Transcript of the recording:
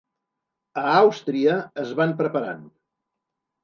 A Àustria es van preparant.